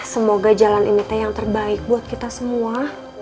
semoga jalan ini teh yang terbaik buat kita semua